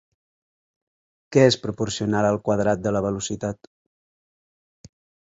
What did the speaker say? Què és proporcional al quadrat de la velocitat?